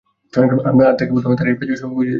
আর তাকে বলতাম তার এই বাজে সবাব যাতে জলদি বন্ধ করে।